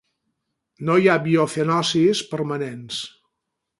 No hi ha biocenosis permanents.